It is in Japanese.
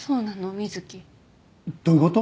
瑞貴どういうこと？